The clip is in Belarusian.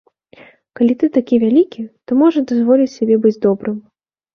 Калі ты такі вялікі, то можна дазволіць сабе быць добрым.